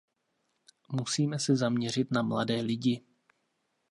Musíme se zaměřit na mladé lidi.